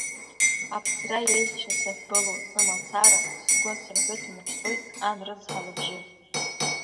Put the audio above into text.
Аԥсра еиӷьшьо сахьгылоу сымацара, сгәы асырҳәы ҭанаԥсоит ан рыцҳа лыбжьы.